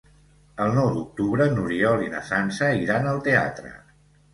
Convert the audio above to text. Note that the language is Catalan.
El nou d'octubre n'Oriol i na Sança iran al teatre.